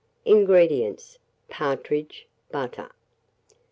INGREDIENTS. Partridge; butter.